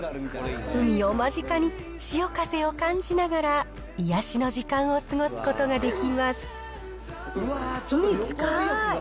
海を間近に、潮風を感じながら、癒やしの時間を過ごすことができ海近い。